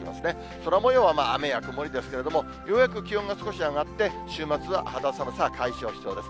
空もようは雨や曇りですけども、ようやく気温が少し上がって、週末は肌寒さは解消しそうです。